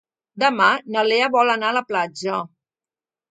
Demà na Lea vol anar a la platja.